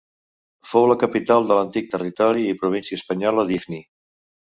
Fou la capital de l'antic territori i província espanyola d'Ifni.